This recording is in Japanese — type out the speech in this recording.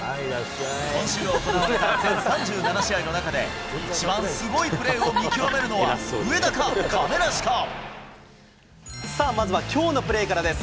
今週行われた全３７試合の中で一番すごいプレーを見極めるのは、さあ、まずはきょうのプレーからです。